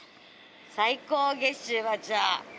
最高月収はじゃあ。